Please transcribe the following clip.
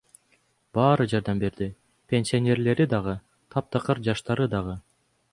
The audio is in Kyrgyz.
Баары жардам берди — пенсионерлери дагы, таптакыр жаштары дагы.